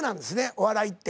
お笑いって。